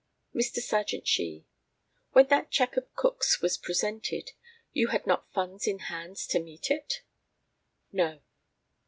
Mr. Serjeant SHEE: When that cheque of Cook's was presented, you had not funds in hands to meet it? No.